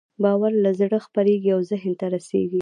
باور له زړه خپرېږي او ذهن ته رسېږي.